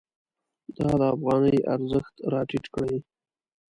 دا د افغانۍ ارزښت راټیټ کړی.